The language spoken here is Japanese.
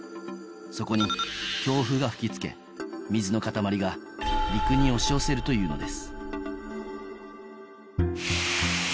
そこに強風が吹き付け水の固まりが陸に押し寄せるというのです